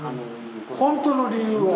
本当の理由は？